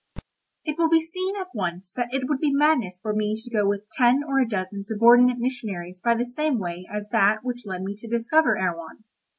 It will be seen at once that it would be madness for me to go with ten or a dozen subordinate missionaries by the same way as that which led me to discover Erewhon.